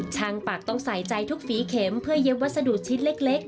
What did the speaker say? ปักต้องใส่ใจทุกฝีเข็มเพื่อเย็บวัสดุชิ้นเล็ก